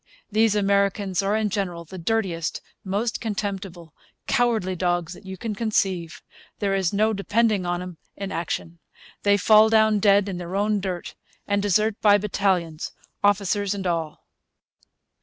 These Americans are in general the dirtiest, most contemptible, cowardly dogs that you can conceive. There is no depending upon 'em in action. They fall down dead in their own dirt, and desert by battalions, officers and all.'